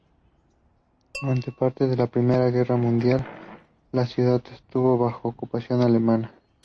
Durante parte de la Primera Guerra Mundial la ciudad estuvo bajo ocupación alemana.